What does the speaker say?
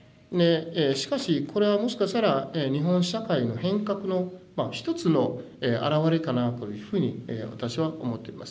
しかしこれはもしかしたら日本社会の変革の一つのあらわれかなというふうに私は思ってます。